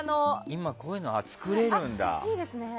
今、こういうの作れるんだ。